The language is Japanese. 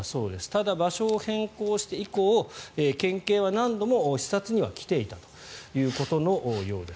ただ場所を変更して以降県警は何度も視察には来ていたということのようです。